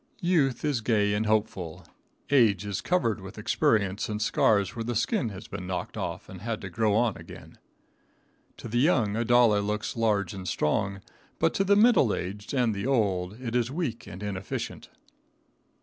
Youth is gay and hopeful, age is covered with experience and scars where the skin has been knocked off and had to grow on again. To the young a dollar looks large and strong, but to the middle aged and the old it is weak and inefficient.